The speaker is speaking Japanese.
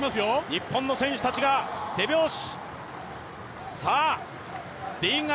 日本の選手たちが手拍子！